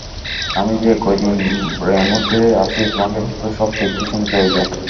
আমি যে-কয়দিন ব্যামোতে আছি তোমাকেই তো সব দেখিতে শুনিতে হইবে।